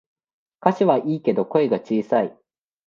歌詞はいいけど声が小さい